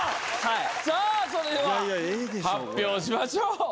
さあそれでは発表しましょう。